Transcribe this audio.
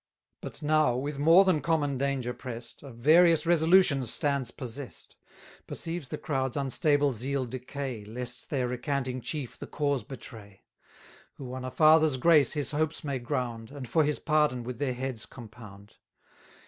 But now, with more than common danger press'd, Of various resolutions stands possess'd, Perceives the crowd's unstable zeal decay Lest their recanting chief the cause betray, Who on a father's grace his hopes may ground, And for his pardon with their heads compound.